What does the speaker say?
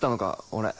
俺。